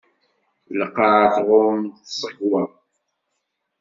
Lqaεa tɣumm s tẓegwa.